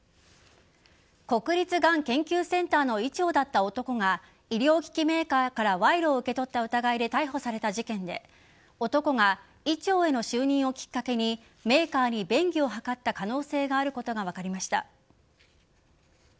国立がん研究センターの医長だった男が医療機器メーカーから賄賂を受け取った疑いで逮捕された事件で男が、医長への就任をきっかけにメーカーに便宜を図った可能性があることが分かりました。